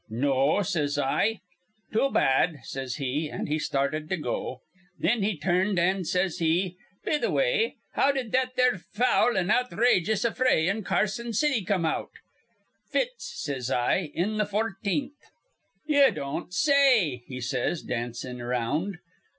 'No,' says I. 'Too bad,' says he; an' he started to go. Thin he turned, an' says he: 'Be th' way, how did that there foul an' outhrajous affray in Carson City come out?' 'Fitz,' says I, 'in th' fourteenth.' 'Ye don't say,' he says, dancin' around.